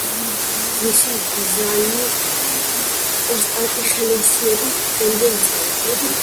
მის დიზაინს ოსტატი ხელოსნები დღემდე იცავენ.